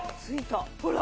ほら！